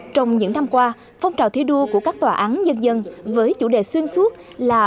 trong những năm qua phong trào thi đua của các tòa án nhân dân với chủ đề xuyên suốt là